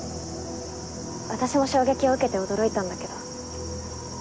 私も衝撃を受けて驚いたんだけど。